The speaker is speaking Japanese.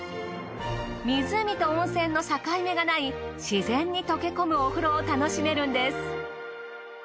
湖と温泉の境目がない自然に溶け込むお風呂を楽しめるんです。